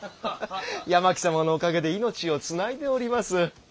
八巻様のおかげで命をつないでおります。